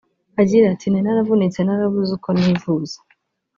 Agira ati “Nari naravunitse narabuze uko nivuza